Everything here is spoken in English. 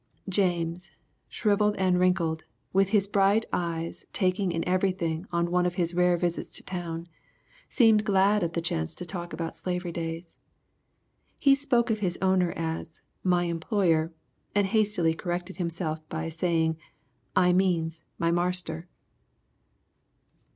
James, shrivelled and wrinkled, with his bright eyes taking in everything on one of his rare visits to town, seemed glad of the chance to talk about slavery days. He spoke of his owner as "my employer" and hastily corrected himself by saying, "I means, my marster."